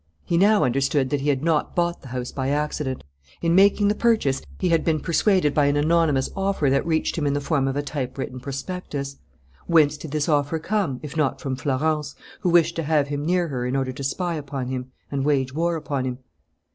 He now understood that he had not bought the house by accident. In making the purchase he had been persuaded by an anonymous offer that reached him in the form of a typewritten prospectus. Whence did this offer come, if not from Florence, who wished to have him near her in order to spy upon him and wage war upon him?